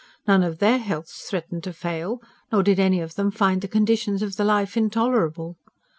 None of THEIR healths threatened to fail, nor did any of them find the conditions of the life intolerable.